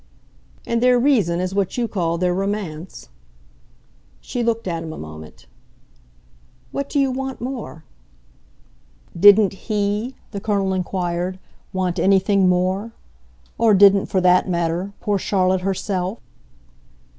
"And their reason is what you call their romance?" She looked at him a moment. "What do you want more?" "Didn't HE," the Colonel inquired, "want anything more? Or didn't, for that matter, poor Charlotte herself?"